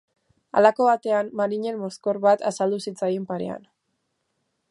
Halako batean, marinel mozkor bat azaldu zitzaien parean.